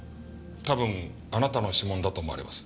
多分あなたの指紋だと思われます。